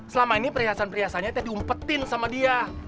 selama ini perhiasan perhiasannya dia diumpetin sama dia